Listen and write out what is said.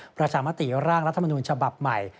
ประชามติร่างรัฐมนูญฉบับใหม่